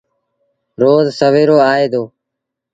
روز سويرو آئي دو۔